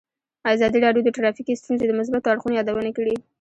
ازادي راډیو د ټرافیکي ستونزې د مثبتو اړخونو یادونه کړې.